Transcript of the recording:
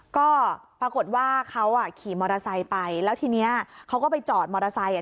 ก็ปรากฏว่าเขาขี่มอเตอร์ไซค์ไปแล้วทีนี้เขาก็ไปจอดมอเตอร์ไซค์